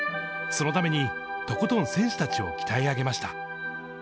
そのためにとことん選手たちを鍛え上げました。